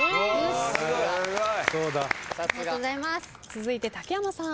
続いて竹山さん。